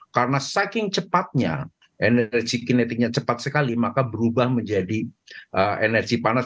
karena saking cepatnya energi kinetiknya cepat sekali maka berubah menjadi energi panas